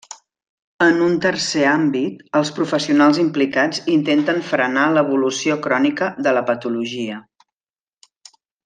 En un tercer àmbit, els professionals implicats intenten frenar l'evolució crònica de la patologia.